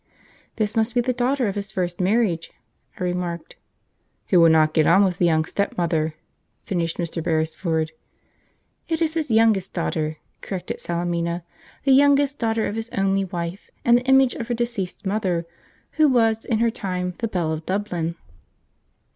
"This must be the daughter of his first marriage," I remarked. "Who will not get on with the young stepmother," finished Mr. Beresford. "It is his youngest daughter," corrected Salemina, "the youngest daughter of his only wife, and the image of her deceased mother, who was, in her time, the belle of Dublin."